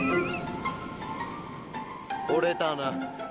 惚れたな。